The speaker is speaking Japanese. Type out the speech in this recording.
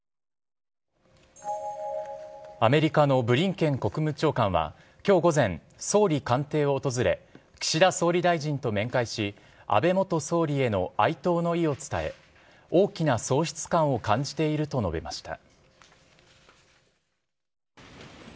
アメリカのブリンケン国務長官は、きょう午前、総理官邸を訪れ、岸田総理大臣と面会し、安倍元総理への哀悼の意を伝え、大きな喪失感を感じていると述べました。